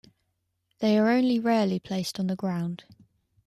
They are only rarely placed on the ground.